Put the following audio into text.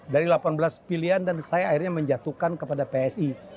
dari delapan belas pilihan dan saya akhirnya menjatuhkan kepada psi